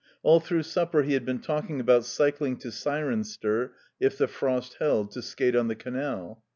All through supper he had been talking about cycling to Cirencester if the frost held, to skate on the canal.